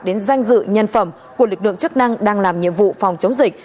đến danh dự nhân phẩm của lực lượng chức năng đang làm nhiệm vụ phòng chống dịch